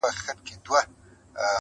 هڅه د خوبونو حقیقت دی.